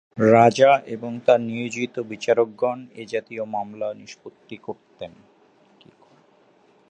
রাজা এবং তাঁর নিয়োজিত বিচারকগণ এ জাতীয় মামলা নিষ্পত্তি করতেন।